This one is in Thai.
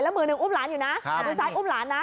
มือหนึ่งอุ้มหลานอยู่นะเอามือซ้ายอุ้มหลานนะ